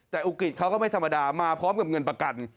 แต่อุกิตเขาก็ไม่ธรรมดามาพร้อมกับเงินประกัน